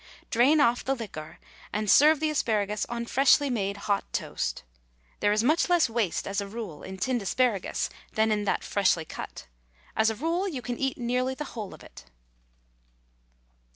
Drain off the liquor and serve the asparagus on freshly made hot toast. There is much less waste as a rule in tinned asparagus than in that freshly cut. As a rule, you can eat nearly the whole of it.